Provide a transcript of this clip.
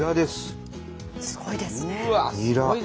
すごいですね。